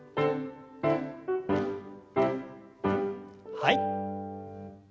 はい。